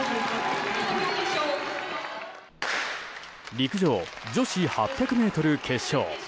陸上女子８００ｍ決勝。